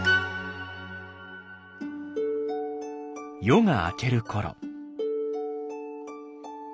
夜が明けるころ。